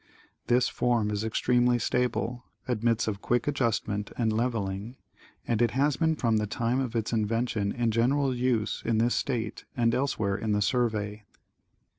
This form is extremely stable, admits of quick adjustment and leveling, and it has been from the time of its invention in general use in this state and elsewhere in the Survey.